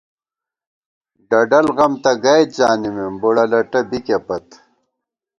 ڈڈَل غم تہ گئیت زانِمېم، بُوڑہ لٹہ بِکے پت